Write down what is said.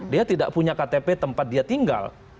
dia tidak punya ktp tempat dia tinggal